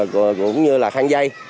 cũng như là khăn dây